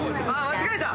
間違えた！